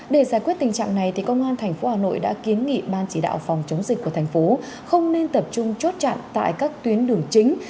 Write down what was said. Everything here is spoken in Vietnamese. để giải quyết tình trạng này công an tp hà nội đã kiến nghị ban chỉ đạo phòng chống dịch của thành phố không nên tập trung chốt chặn tại các tuyến đường chính